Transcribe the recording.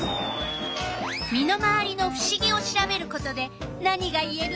身の回りのふしぎを調べることで何がいえる？